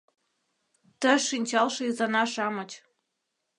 Ты шинчалше изана-шамыч -